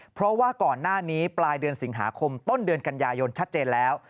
เพราะว่าก่อนหน้านี้ปลายเดือนสิงหาคมต้นเดือนกันยายนชัดเจนแล้ว